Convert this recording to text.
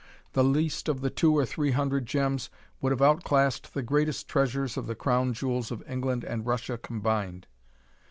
The least of the two or three hundred gems would have outclassed the greatest treasures of the Crown jewels of England and Russia combined.